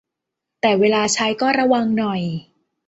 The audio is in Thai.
แต่เวลาใช้ก็ระวังหน่อย